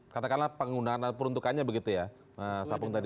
katakanlah penggunaan peruntukannya begitu ya